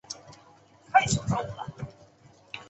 安徽南陵人。